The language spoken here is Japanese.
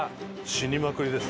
死にまくりです。